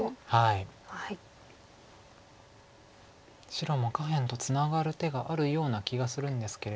白も下辺とツナがる手があるような気がするんですけれど。